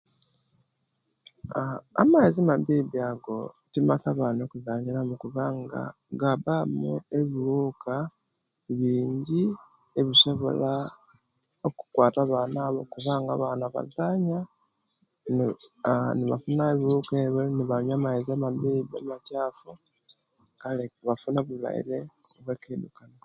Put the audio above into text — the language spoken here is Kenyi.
Aaa amaizi amabibi ago timasa abana okuzanyiramu kubanga gabbamu ebiwuka biingi ebisobola okukwata abana abo kubanga anaba bazanya ni aaa nebafunayo ebiwuka nebanyuwa amaizi amabibbi amachafu kale nebafuna obulwaire obwekidukano